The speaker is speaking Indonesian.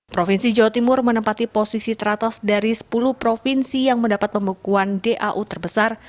provinsi jawa timur menempati posisi teratas dari sepuluh provinsi yang mendapat pembekuan dau terbesar